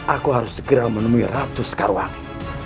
aku harus segera menemui ratu sekarwangi